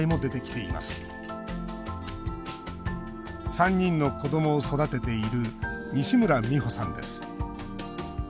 ３人の子どもを育てている西村みほさんです。